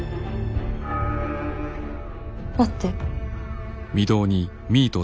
待って。